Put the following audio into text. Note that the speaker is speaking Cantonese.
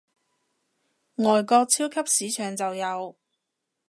外國超級市場就有